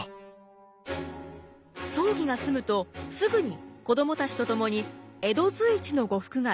葬儀が済むとすぐに子どもたちと共に江戸随一の呉服街